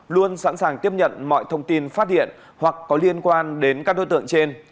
luôn sẵn sàng tiếp nhận mọi thông tin phát hiện hoặc có liên quan đến các đối tượng trên